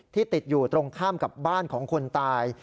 ติดอยู่ตรงข้ามกับบ้านของคนตาย